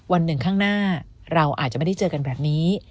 วันหนึ่งข้างหน้าเราอาจจะไม่ได้เจอกันแบบนี้